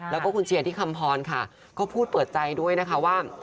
แล้วก็คุณเชียร์ที่คำพรค่ะก็พูดเปิดใจด้วยนะคะว่า